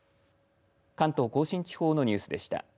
関東甲信地方のニュースでした。